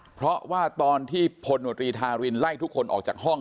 เพราะว่าตอนที่พลโนตรีทารินไล่ทุกคนออกจากห้อง